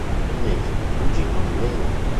Ennesimo cugino di Lena.